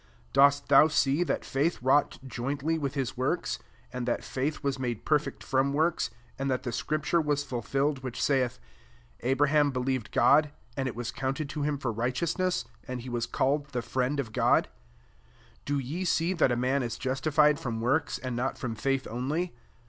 22 Dost thou see that faith wrought jointly with his works ? and that faith was made perfect from works ? 23 and that the scripture was fulfilled which saith, ^ Abraham believed God, and it was counted to him for righteousness :" and he was cal led the Friend of God ? 24 Do ye see that a man is justified from works, and not from faith only